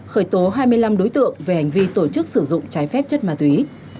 khởi tố hai mươi năm đối tượng về hành vi tổ chức sử dụng trái phép chất ma túy